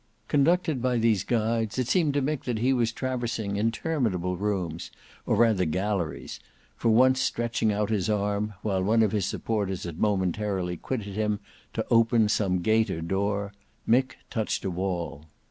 Conducted by these guides, it seemed to Mick that he was traversing interminable rooms, or rather galleries, for once stretching out his arm, while one of his supporters had momentarily quitted him to open some gate or door, Mick touched a wall.